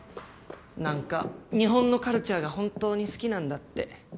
なんか日本のカルチャーが本当に好きなんだって。